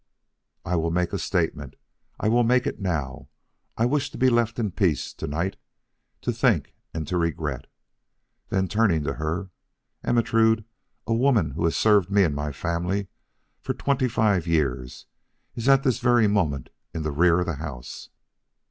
"I will make a statement. I will make it now. I wish to be left in peace to night, to think and to regret." Then turning to her, "Ermentrude, a woman who has served me and my family for twenty five years is at this very moment in the rear of the house.